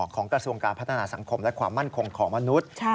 กระทรวงการพัฒนาสังคมและความมั่นคงของมนุษย์